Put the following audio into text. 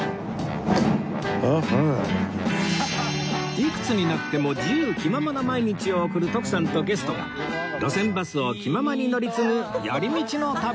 いくつになっても自由気ままな毎日を送る徳さんとゲストが路線バスを気ままに乗り継ぐ寄り道の旅